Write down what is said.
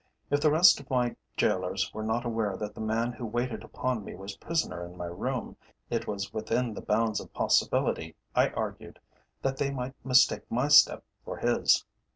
If the rest of my gaolers were not aware that the man who waited upon me was prisoner in my room, it was within the bounds of possibility, I argued, that they might mistake my step for his.